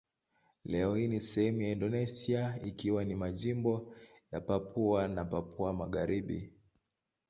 Leo hii ni sehemu ya Indonesia ikiwa ni majimbo ya Papua na Papua Magharibi.